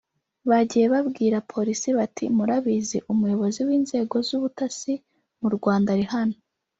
Bagiye babwira Polisi bati ‘murabizi umuyobozi w’inzego z’ubutasi mu Rwanda ari hano